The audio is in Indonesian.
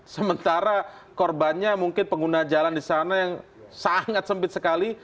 sementara korbannya mungkin pengguna jalan di sana yang sangat sempit sekali